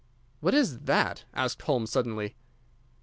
"What is that?" asked Holmes, suddenly.